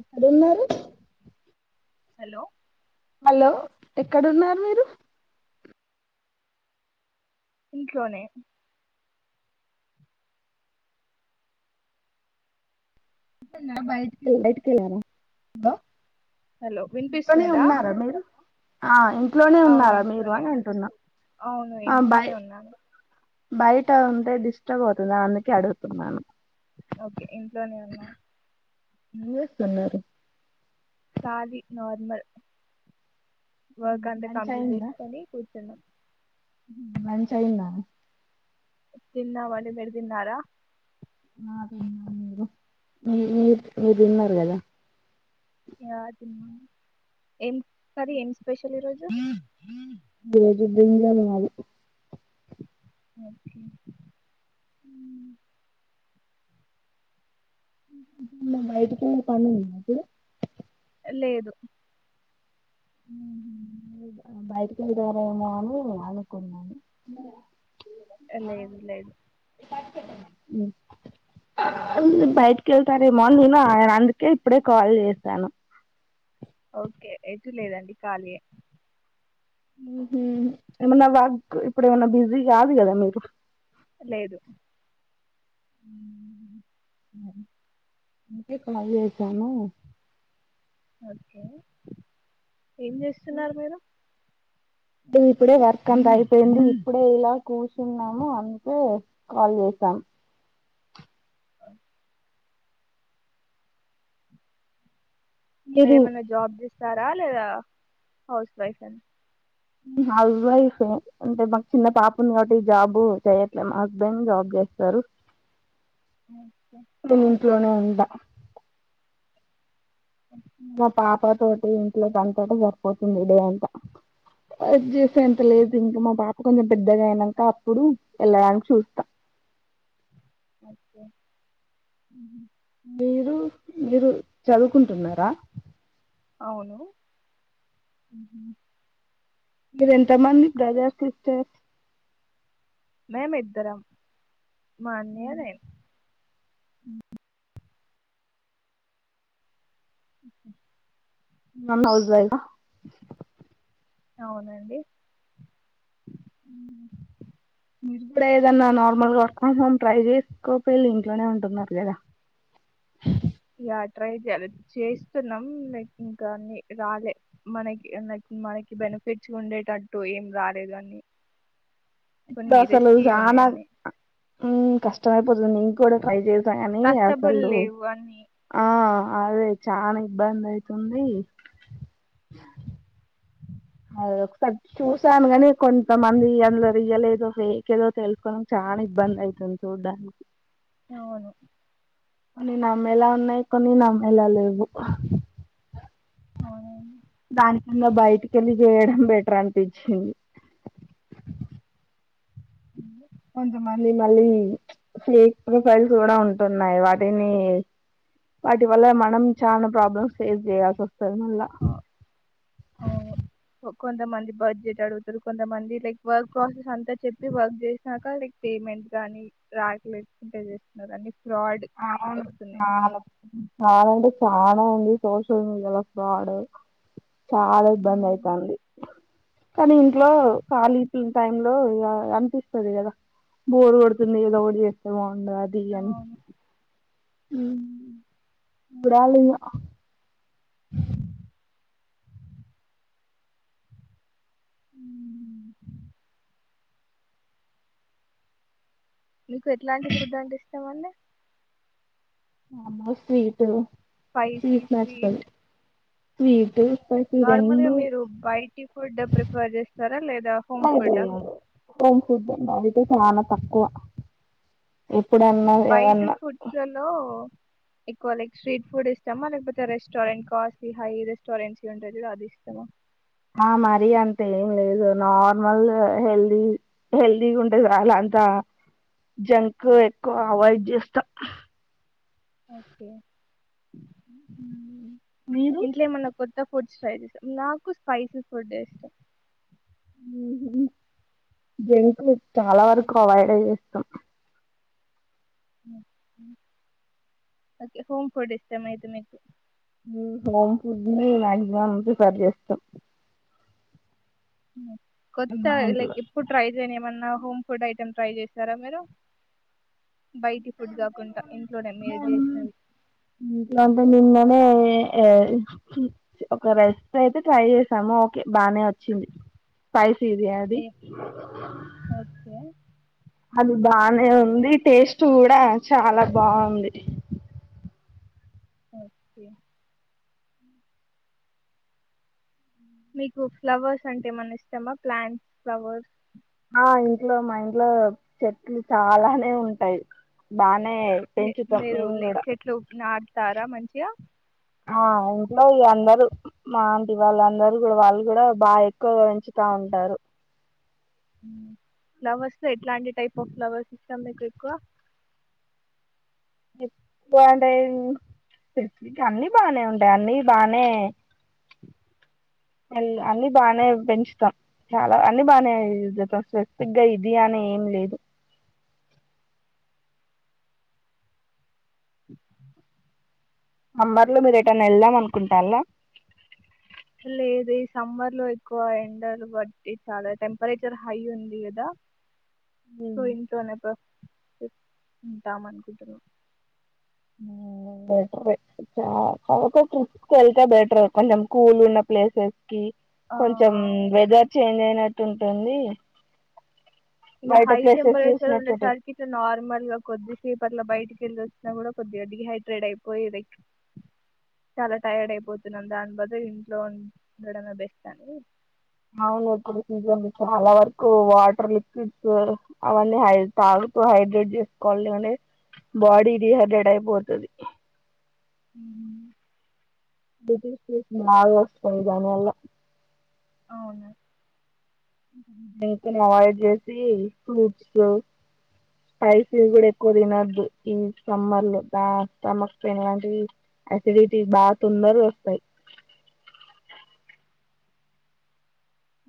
ఎక్కడున్నారు? Hello hello ఎక్కడున్నారు మీరు? ఇంట్లోనె ఓహ్ బైటికెల్లారా? [unintelligible] హలో ఇంట్లోనే వినిపిస్తుందా ఉన్నారా మీరు? ఆ ఇంట్లోనే అవును ఉన్నారా మీరు ఇంట్లోనే అని అంటున్నా అవును ఆ ఇంట్లోనే బయ్ ఉన్నాను బయట ఉంటే డిస్టర్బ్ అవుతుంది అందుకె అడుగుతున్నాను. ఓకె ఇంట్లోనే ఉన్నా. యుఎస్ అన్నారు కాలి నార్మల్. వర్క్ అంతా లంచ్ కంప్లీట్ చేసుకొని కూర్చున్నాం. మ్ హు లంచ్ అయిందా? తిన్నామండి మీరు తిన్నారా? నా తిన్నా మీరు మీ మీరు మీరు తిన్నారు కదా! యా తిన్నాం. ఏం సరిలె ఏంచెస్ స్పెషల్ ఈ రోజు? బెదు [unintelligible] మాది ఓకె మ్ హు నెన్ బయటికెల్లే పనుంది. తిను [inaudible] లేదు బయటికి వెళ్తారేమో అని అనుకున్నాను ఎల్లాలని లేదు బయటికి వెళ్తారేమో అని నినే అందుకే ఇప్పుడే కాల్ చేశాను ఓకే ఎటు లేదండి ఖాళీ ఎ ఉహూ ఏమన్నా వాట్ ఇప్పుడు ఏమన్నా బిజీ కాదు కదా మీరు లేదు ఇంకా ఎక్కడన్న పొయేసైన ఓకే ఏం చేస్తున్నారు మీరు ఇప్పుడే వర్క్ అంతా అయిపోయింది ఇప్పుడే ఇలా కూర్చున్నాము అంతే కాల్ చేసాం అ నువ్వు మీరు ఏమన్నా జాబ్ చేస్ ఇచ్చారు లేదా హౌస్ వైఫ్ అని నిను హౌస్ వైఫ్ నే అంటే మాకు చిన్న పాప ఉంది కాబట్టి జాబ్ చేయట్లే మా హస్బెండ్ జాబ్ చేస్తారు ఓకే ఇంట్లొనే ఉంటా ఇంట్లొ పాప తోటి ఇంట్లో పనితొటే సరిపోతుంది డే అంత అంత లేదు ఓకే అండి మా పాప కొంచెం పెద్దగా అయినాంక అప్పుడు వెళ్ళడానికి చూస్తా ఓకే మీరు మీరు చదువుకుంటున్నారా అవును మీరు ఎంత మంది బ్రదర్స్ సిస్టర్స్ మేమం ఇద్దరం మాన్దేలే మ్మ్ మనం [unintelligible] వయిగా అవునండి మీరు కూడా ఏదన్నా నార్మల్గా వర్క్ ఫ్రమ్ హోం ట్రై చేసుకోవచ్చుఇంట్లోనే ఉంటున్నారు కదా ఆ ట్రై చేయాలి చేస్తున్నాం లైక్ ఇంకా అన్ని రాలే మనకి లైక్ మనకి బెనిఫిట్స్ ఉండేటట్టు ఏం రాలేదు అని కొన్ని అసలు రిస్కీ చానా ఉన్నాయని కష్టమే పిల్లలని కూడా [unintelligible] కానీ ట్రస్టబుల్ అసలు లేవు అని అదే చాలా ఇబ్బంది అయితుంది అ ఒకసారి చూసాను కాని కొంతమంది అందులో రియల్ ఏదో ఫేక్ ఏదో తెలుసుకోవడానికి చాలా ఇబ్బంది అయితుంది చూడ్డానికి అవును కొన్ని నమ్మేలా ఉన్నాయి కొన్ని నమ్మేలా లేవు అవును ఇంకా బయటికి వెళ్ళి చేయడం బెటర్ అనిపించింది ఉ కొంత మంది మళ్ళీ ఫేక్ ప్రొఫైల్స్ కూడా ఉంటున్నాయి వాటిని వాటి వల్ల మనం చాలా ప్రాబ్లమ్స్ ఫేస్ చేయాల్సి వ ఇప్పల మల్ల ఆ, అవును కొ- కొంతమంది బడ్జెట్ అడుగుతారు కొంతమంది లైక్ వర్క్ ప్రాసెస్ అంతా చెప్పి వర్క్ చేసినాక లైక్ పేమెంట్ గాని రాలేదుకుంటే చేస్తున్నారుని అవును అవును అవునండి చానం ఉంది సోషల్ మీడియాాల ఫ్రాడ్ చాలా ఇబ్బంది ఉమ్, అయితంది కనీ లో కాలీ టై లో అనిపిస్తుంది కదా బోర్ కొడుతుంది ఏదో ఓడి చేస్తామో అంద అది అని అవును విడాలింగ [inaudible] అ మీకు ఎట్లాంటి ఫుడ్ అంటే ఈ ఏమండీ ఆమ స్వీట్ స్వీట్ నాచుదది వి నార్మల్గా మీరు బయటి ఫుడ్ ప్రిఫర్ చేస్తారా లేదా హోమ్ ఫుడ్ అతే చాలా తక్కువ ఎప్పుడన్నా బయట ఏదన్నా గూడ్స్ లలో ఎక్కువ లైక్ స్ట్రీట్ ఫుడ్ ఇష్టమా లేకపోతే రెస్టారెంట్ కాస్ట్లీ హై రెస్టారెంట్స్ ఉంటాది అది ఇష్టమా ఆ మరి అంతే ఏం లేదు నార్మల్ హెల్దీ హెల్దీగా ఉంటే చ చల్ అంతా జంక్ ఎక్కువ అవాయిడ్ చేస్తా ఒకే మీరు ఇంట్లేమన్నా కొత్త ఫుడ్ స్ ఫ్రైస్తా నాకు స్పైసీ ఫుడ్ ఇష్టం జంకు చాలా వరకు అవాయిడ్ ఏ చేసాం ఓకే హోమ్ ఫుడ్ ఇష్టం అయితే మీకు హోమ్ ఫుడ్ ని మాక్సిమం ప్రిఫర్ చేస్తాం కొత్త మా లైక్ ఇంట్లో ఎప్పుడు ట్రైే చేయని ఏమన్నా హోమ్ ఫుడ్ ఐ చికెన్ ట్రై చేసారా మీరు బయటి ఫుడ్ కాకుండా ఇంట్లోనే మీరు చేసినవి ఇంట్లో అంటే నిన్ననే ఒక రెసిపీ అయితే ట్రై చేసాము ఓకే బానే వచ్చింది స్పైసీ సీది అధి ఏ? ఓకే అది బానే ఉంది టేస్ట్ కూడా చాలా బాగుంది ఓకే మీకు ఫ్లవర్స్ అంటే ఏమనా ఇష్టమా ప్లాంట్స్ ఫ్లవర్స్ ఆ ఇంట్లో మా ఇంట్లో చెట్లు చాలానే ఉంటాయి బానే పెంచుతాం మేము లేల కూడా చెట్లు నా తారా మంచియా ఆ ఇంట్లో అందరుూ మాంటి వాళ్ళందరూ కూడా వాళ్ళు కూడా బాగా ఎక్కువగా పెంచుతా ఉంటారు ఫ్లవర్స్ లో ఎట్లాంటి టైప్ ఆఫ్ ఫ్లవర్స్ ఇష్టాము మీకు ఎక్కువ బాగుంటాయి అన్ని బానే ఉంటాయి అన్ని బానే మ అన్ని బానే పెంచుతాం చాలా అన్ని బానే స్పెసిఫిక్గా ఇది అని ఏం లేదు అంబార్లో మీర ఎటైనా వెళ్దాం అనుకుంటాలా లేదు సమ్మర్ లో ఎక్కువ ఎండలు బట్టి చాలా టెంపరేచర్ హై ఉంది కదా ఉమ్ సూయింట అనప్ప టామ అనుకుంటున్నాం బెటర్ చ ట్రికి వెళ్తే బెటర్ కొంచెం కూల్ ఉన్న ప్లేసెస్ కి ఆ కొంచం వెదర్ చేంజ్ అయి ట్టు ఉంటుంది ఇక బయట హై ప్లేసెస్ టెంపరేచర్ ఉండే చూసినట్టుంటది సరికి ఇట్లా నార్మల్ గా కొద్ది సెపట్ల్బయటికి వెల్లోచైనా కూడా కొద్దిగా డిహైడ్రేట్ అయిపో అవును ఒక సీజన్ చాలా వరకు వాటర్ లిక్విడ్స్ అవన్నీ హై తాగుతూ హైడ్రేట్ చేసుకోవాలి కాని బాడీ డిహైడ్రేట్ అయిపోతుది మ్మ్. నాలు వస్తా జానాలా అవున ను అవాయిడ్ చేసి ఫ్రూట్స్ స్పైసీస్ కూడా ఎక్కువ తినద్దు ఈ సమ్మర్ లో ద స్టమక్ పెయిన్ లాంటివి అసిడిటీ బాగా తొందర వస్తాయి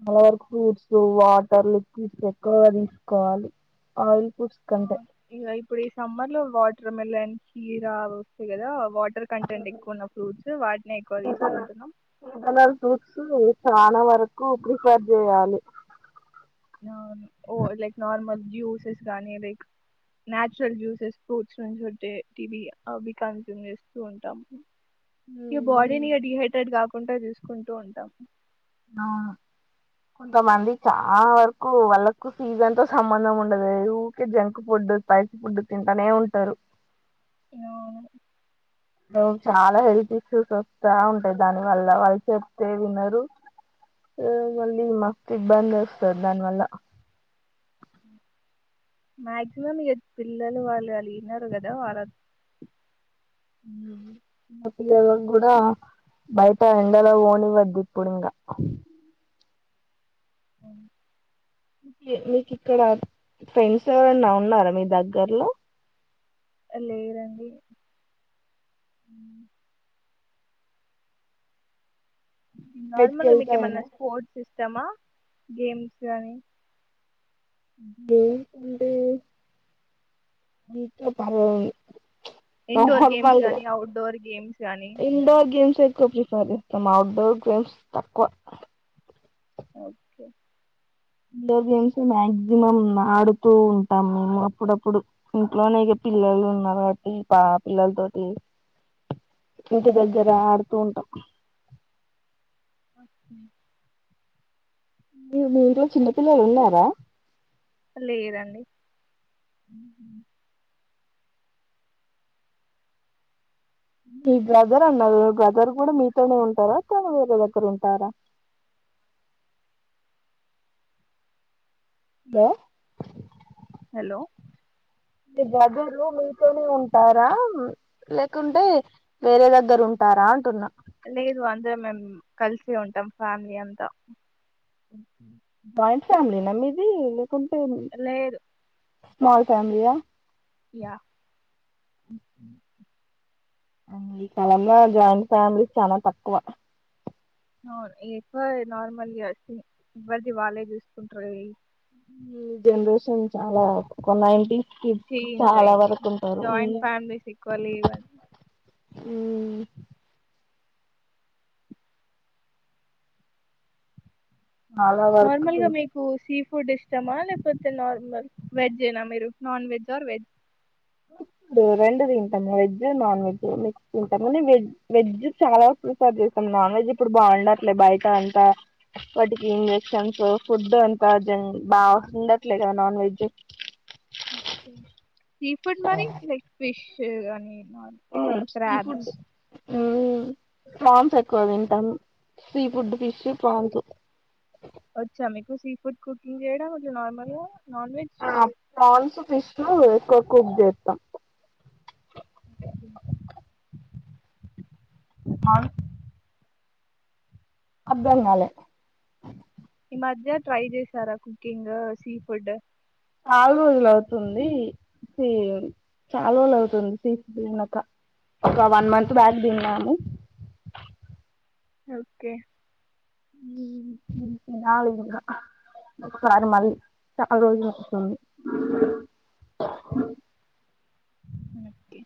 అలావరకు ఫ్రూట్స్ వాటర్ లిక్విడ్స్ ఎక్కువగా తీసుకోవాలి ఆయిల్ ఫుడ్స్ కంటే ఆ ఇగా ఇప్పుడు ఈ సమ్మర్ లో వా ఎట్లామలం కీరా వస్తే కదా వాటర్ కంటెంట్ ఎక్కువన్న ఫ్రూట్స్ వాటిని ఎక్కువ తీసుకుంటున్నాం సీజనల్ ఫ్రూట్స్ చాలా వరకు ప్రిఫేర్ చేయాలి ఓ లైక్ నార్మల్ జ్యూసెస్ గానీ లైక్ న్చురల్ జ్యూసెస్ ఫ్రూట్స్ నుంచి ఉంటే వి అవి కన్స్యూమ్ చేస్తూ ఉంటాము ఈ బాడీ ని డిహైడ్రేట్ కా చకుంటా చూసుకుంటూ ఉంటాము ఆవును కొంతమంది చాలా వరకు వాళ్ళకు సీజన్ తో సంబంధం ఉండదు ఊరికే జంక్ ఫుడ్ స్పైస్ ఫుడ్ తింటూనే ఉంటారు అవును చాలా హెల్త్ ఇష్యూస్ వస్తా ఉంటాయి దాని వల్ల వాళ్ళు చెప్తే వినరు మళ్ళీ మస్తు ఇబ్బంది వస్తారు దాని వల్ల మాక్సిమం ఇ పిల్లలు వాళ్ళు అళగన్నారు కదా వాళ కూడా బయట ఎండలో ఓనివద్దు ఇప్పుడు ఇంకా అ మీకు ఇక్కడ ఫ్రెండ్స్ ఎవరన్నా ఉన్నారా మీ దగ్గర్లో లేదండి హ బయటికి నార్మల్గా వెళ్తారా మీమ ఏంటంటే స్పర్ట్స్ ఇస్తామా గేమ్స్ కాని ఇ పంట మీీకా పర్దు ఇండోర్ గేమ్స్ గానీ అఔట్డోర్ గేమ్స్ గానీ indoor games prefer outdoor games తక్కువ ఓకే ఇండోర్ గేమ్స్ మాక్సిమం ఆడుతూ ఉంటాం మేము అప్పుడప్పుడు ఇంట్లోనే పిల్లలు ఉన్నారు కాబట్టి పా పిల్లల తోటి ఇంటి దగ్గర ఆడుతూ ఉంటాం అఓకే మీ మీ ఇంట్లో చిన్నపిల్లలున్నారా లేదండి మీ బ్రదర్ అన్నారు బ్రదర్ కూడా మీతోనే ఉంటారా తను వేరే దగ్గర ఉంటారా హలో హలో మీ బ్రదర్ మీతోనే ఉంటారా లేకుంటే వేరే దగ్గర ఉంటారా అంటున్నా లేదు అందర మేము కలిసే ఉంటాం ఫ్యామిలీ అంతా జాయింట్ ఫ్యామిలీ నా మీది ఉంటాయ్ మరి లేదు స్మాల్ ఫ్యామిలీయా యా ఈ కాలంలో జాయింట్ ఫ్యామిలీ చాలా తక్కువ అవును ఎక్కువ నార్మల్గా ఎవరిది వాళ్ళే జూసుకుంటారు ఈ జనరేషన్ చాలా కొన్నా ఏంటి చేంజ్ అయి జాయింట్ ఉమ్. ఫ్యామిలీస్ ఈక్వల్ ఇవ్వ ఆ చాలా వర్కు నార్మల్ గా మీకు సీ ఫుడ్ ఇష్టమా లేకపోతే నార్మల్ వెజ్ ఏనా మీరు నాన్ వెజ్ ఆర్ వెజ్ రెండు దింటాము వెజ్ నాన్ వెజ్ మిక్స్ తింటాము్ వెజ్ చాలా వ సార్ చేస్తాం నాన్ వెజ్ ఇప్పుడు బాగుండట్లేదు బయట అంతా వాటికి ఇంజక్షన్స్ ఫుడ్ అంత బాండట్లే కదా non veg okay. Sea food మరి లైక్ ఫిష్ చేగాని క్రాబ్స్ ఉ ప్రాన్స్ ఎక్కువ తింటాం సీ ఫుడ్ ఫిష్ ప్రాన్స్ వచ్చ మీకు సి ఫుడ్ కుకింగ్ చేయడం నార్మల్ గ ఫ్రాన్స్ ఫిష్ ఉ ఎక్కువగా కుక్ జేస్తా అ అర్థం గాలే ఈ మధ్య ట్రై చేసారా కుకింగ్ సీ ఫుడ్ చాలా రోజులు అవుతుంది సీ చాలా రోజుల అవుతుంది తీ తినక ఒక వన్ మంత్ బ్యాక్ తిన్నాను ఓకే తినాలింకా ఒకసారి మళ్ళీ చాలా రోజుల వస్తుంది మట్టి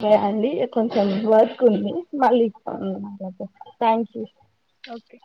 సరే అండి కొంచెం వర్క్ ఉంది మళ్ళీ జేస్తా అలాగ థ్యాంక్ యూ ఓకే